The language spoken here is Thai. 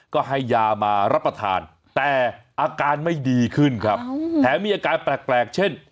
ก็ให้ยามารับประทานแต่อาการไม่ดีขึ้นครับแถมมีอาการแปลกเช่น